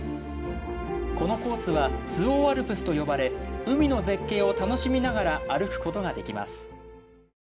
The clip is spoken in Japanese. このコースは「周防アルプス」と呼ばれ海の絶景を楽しみながら歩くことができます